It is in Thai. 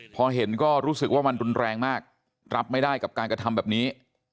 พอเห็นก็รู้สึกว่ามันรุนแรงมากรับไม่ได้กับการกระทำแบบนี้